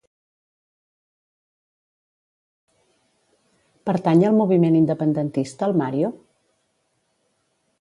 Pertany al moviment independentista el Mario?